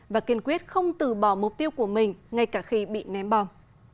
và kiên quyết không từ bỏ mục tiêu của mình ngay cả khi bị ném bom